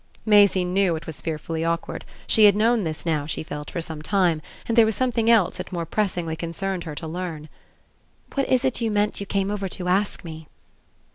Maisie knew it was fearfully awkward; she had known this now, she felt, for some time, and there was something else it more pressingly concerned her to learn. "What is it you meant you came over to ask me?"